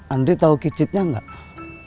andri tau kicitnya gak